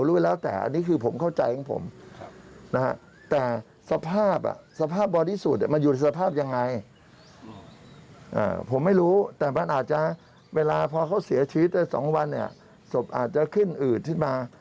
สมอาจจะขึ้นอืดขึ้นมา